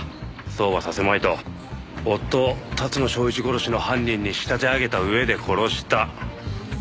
そうはさせまいと夫を龍野祥一殺しの犯人に仕立て上げた上で殺した。